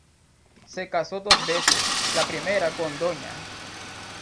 Se casó dos veces: La primera con Dña.